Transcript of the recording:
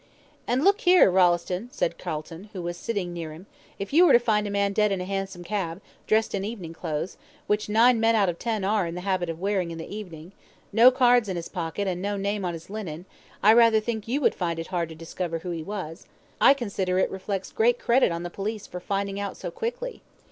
"And look here, Rolleston," said Calton, who was sitting near him, "if you were to find a man dead in a hansom cab, dressed in evening clothes which nine men out of ten are in the habit of wearing in the evening no cards in his pockets, and no name on his linen, I rather think you would find it hard to discover who he was. I consider it reflects great credit on the police for finding out so quickly."